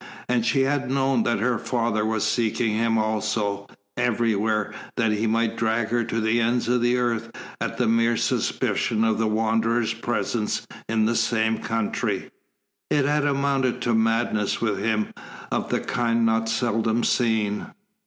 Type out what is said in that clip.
And she had known that her father was seeking him also, everywhere, that he might drag her to the ends of the earth at the mere suspicion of the Wanderer's presence in the same country. It had amounted to a madness with him of the kind not seldom seen.